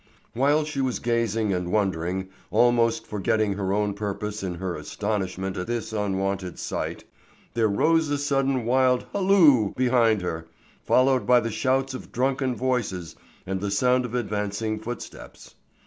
While she was gazing and wondering, almost forgetting her own purpose in her astonishment at this unwonted sight, there rose a sudden wild halloo behind her, followed by the shouts of drunken voices and the sound of advancing footsteps.